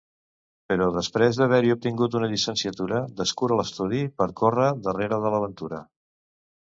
Però després d'haver-hi obtingut una llicenciatura, descura l'estudi per córrer darrere de l'aventura.